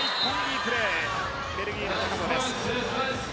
ここはベルギーの高さです。